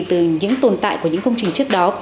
từ những tồn tại của những công trình trước đó